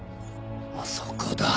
あそこだ！